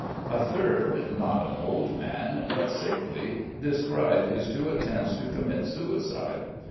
A third, not an old man, but sickly, described his two attempts to commit suicide.